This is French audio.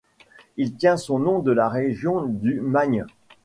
Il tient son nom de la région du Magne.